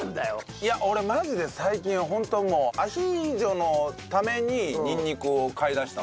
いや俺マジで最近ホントもうアヒージョのためににんにくを買いだした。